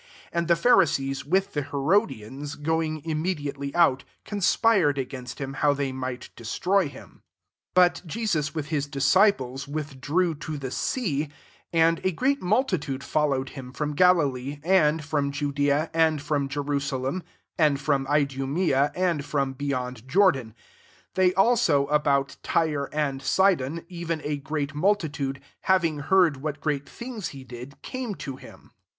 6 And dl# Pharisees, with the Herodian^ going immediately out, conspie» ed against him, how they mplplil destroy him. 7 But Jesus with his disci ples, withdrew to the sea : and a great multitude [fbllowedj [Aim] from Galilee, and from Judea, and from Jerusalem, 8 and from Idumea, and ^rom beyond Jordan ; they also about Tyre and Sidon, even a great multitude, having heard wl great things he did, can^e t^ him.